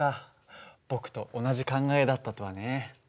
僕と同じ考えだったとはね。